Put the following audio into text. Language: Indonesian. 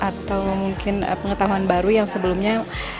atau mungkin pengetahuan baru yang sebelumnya